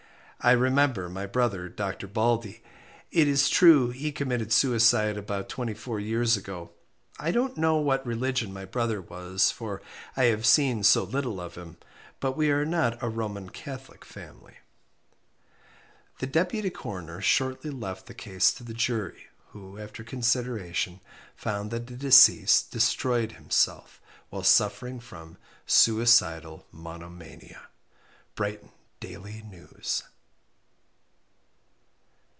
I remember my brother, Dr. Baldey it is true he committed suicide about twenty four years ago. I don't know what religion my brother was, for I have seen so little of him, but we are not a Roman Catholic family. The Deputy Coroner shortly left the case to the jury, who, after consideration, found that the deceased destroyed himself while suffering from "suicidal monomania." _Brighton Daily News.